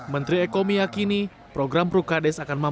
menteri eko miya kini program prukades akan berjalan